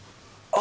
あ！